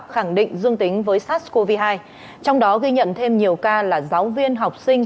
khẳng định dương tính với sars cov hai trong đó ghi nhận thêm nhiều ca là giáo viên học sinh